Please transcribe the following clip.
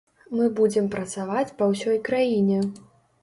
Мы будзем працаваць па ўсёй краіне.